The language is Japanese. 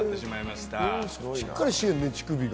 しっかりしてるよね、乳首が。